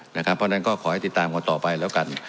เพราะฉะนั้นก็ขอให้ติดตามกันต่อไปแล้วกัน